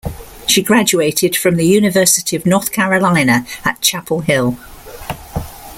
She graduated from the University of North Carolina at Chapel Hill.